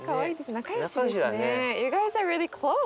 仲よしですね。